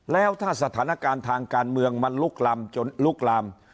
แล้วถ้าสถานการณ์ทางการเมืองมันลุกลามจนลุกลาม